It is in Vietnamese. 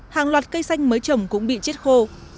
hàng loạt cây xanh mới trồng cũng bị chết khô